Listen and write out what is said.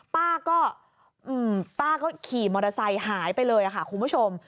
ป้าก็ป้าก็ขี่มอเตอร์ไซค์หายไปเลยค่ะคุณผู้ชม